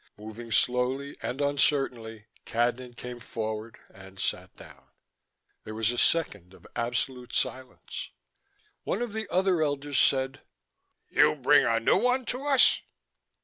Moving slowly and uncertainly, Cadnan came forward and sat down. There was a second of absolute silence. One of the other elders said: "You bring a new one to us?"